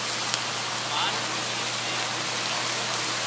مال نُون ڪري سي